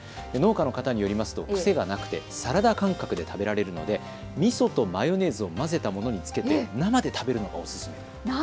農家の方によりますと癖がなくてサラダ感覚で食べられるのでみそとマヨネーズを混ぜたものをつけて生で食べるのがおすすめと。